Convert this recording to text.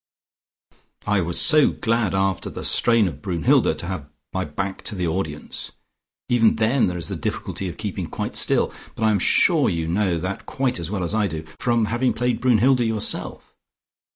I was so glad after the strain of Brunnhilde to have my back to the audience. Even then there is the difficulty of keeping quite still, but I am sure you know that quite as well as I do, from having played Brunnhilde yourself.